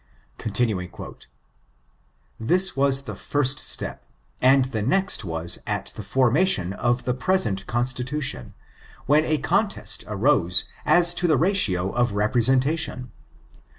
' This was the first step, and the next was at the formation of the present Constitution, when a contest arose as to the ratio of representation.